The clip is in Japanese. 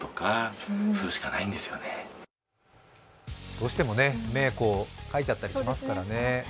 どうしても目をかいちゃったりしますからね。